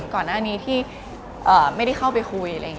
ก่อนหน้านี้ที่ไม่ได้เข้าไปคุย